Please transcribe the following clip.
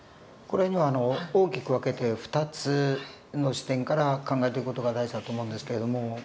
これには大きく分けて２つの視点から考えていく事が大事だと思うんですけれども。